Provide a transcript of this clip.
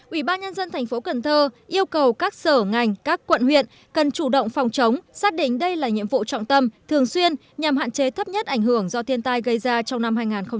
ủy ban nhân dân tp cn yêu cầu các sở ngành các quận huyện cần chủ động phòng chống xác định đây là nhiệm vụ trọng tâm thường xuyên nhằm hạn chế thấp nhất ảnh hưởng do thiên tai gây ra trong năm hai nghìn một mươi chín